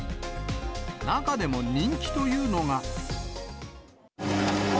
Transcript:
中でも人気というのが。